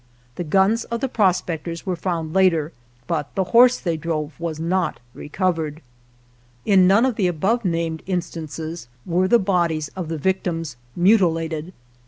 The guns of the pros pectors were found later, but the horse they drove was not recovered. In none of the above named instances 93 GERONIMO were the bodies of the victims mutilated.